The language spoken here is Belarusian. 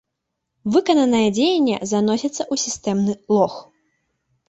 Выкананае дзеянне заносіцца ў сістэмны лог.